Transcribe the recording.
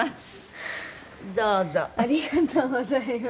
ありがとうございます。